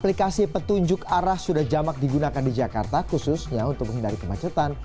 aplikasi petunjuk arah sudah jamak digunakan di jakarta khususnya untuk menghindari kemacetan